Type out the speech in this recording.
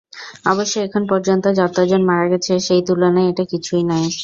অবশ্য এখন পর্যন্ত যতজন মারা গেছে সেই তুলনায় এটা কিছুই নয়।